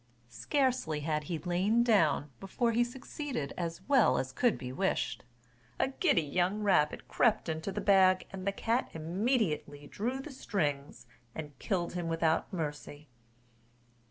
Scarcely had he lain down before he succeeded as well as could be wished. A giddy young rabbit crept into the bag, and the cat immediately drew the strings, and killed him without mercy.